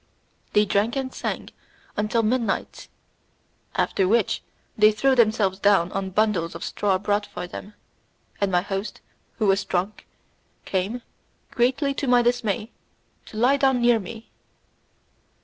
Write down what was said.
They drank and sang until midnight, after which they threw themselves down on bundles of straw brought for them, and my host, who was drunk, came, greatly to my dismay, to lie down near me.